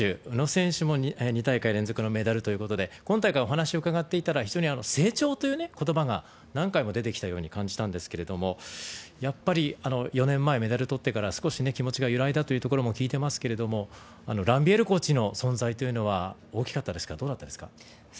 宇野選手も２大会連続のメダルということで今大会お話を伺っていたら非常に成長ということばが何回も出てきたように感じたんですがやっぱり４年前にメダル取ってから少し気持ちが揺らいだというところも聞いていますがランビエールコーチの存在というのは大きかったですかどうだったですか？